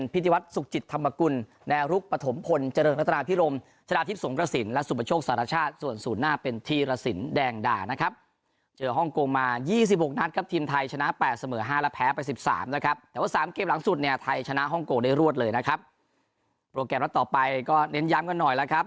โปรแกรมรัฐต่อไปก็เน้นย้ำกันหน่อยนะครับ